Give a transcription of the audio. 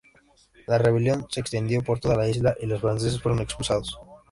La rebelión se extendió por toda la isla y los franceses fueron expulsados.